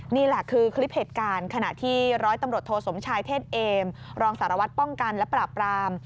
นี่แหละคือคลิปเหตุการณ์ขณะที่ร้อยตำรวจโทสมชายเทศเอมรองสารวัตรป้องกันและปราบราม